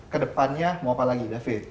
ke depannya mau apa lagi david